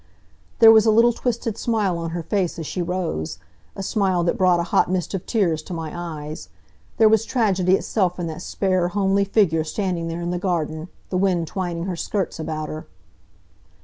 There was a little twisted smile on her face as she rose a smile that brought a hot mist of tears to my eyes. There was tragedy itself in that spare, homely figure standing there in the garden, the wind twining her skirts about her.